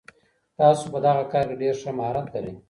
تاسو په دغه کار کي ډېر ښه مهارت لرئ.